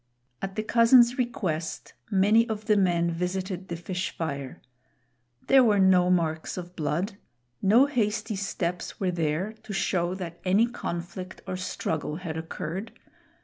At the cousin's request, many of the men visited the fish fire. There were no marks of blood. No hasty steps were there to show that any conflict or struggle had occurred.